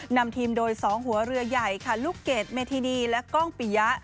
นำทีมโดย๒หัวเรือใหญ่ค่ะลูกเกดเมธินีและกล้องปิยะ